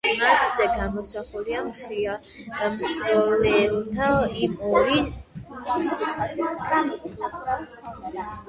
მასზე გამოსახულია მსროლელთა იმ ორი დივიზიის მებრძოლები, რომლებმაც გაათავისუფლეს ეს ადგილები.